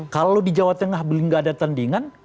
kalau di jawa tengah beliau nggak ada tandingan